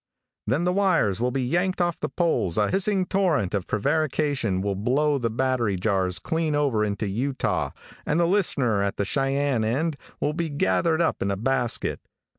Then the wires will be yanked off the poles, a hissing torrent of prevarication will blow the battery jars clean over into Utah, and the listener at the Cheyenne end will be gathered up in a basket.